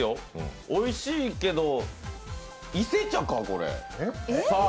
おいしいけど、伊勢茶か、これ？